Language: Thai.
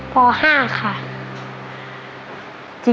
ป๕ค่ะ